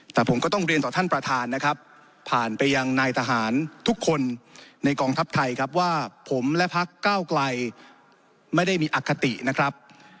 แต่ผมก็ต้องเรียนต่อท่านประธานนะครับผ่านไปยังนายทหารทุกคนในกองทัพไทยครับว่าผมและพักเก้าไกลไม่ได้มีอคตินะครับ